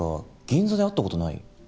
銀座で会った事ない？